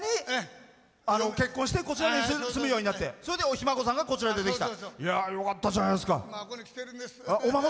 結婚してこちらに住むようになってそれでひ孫さんがこちらでできた。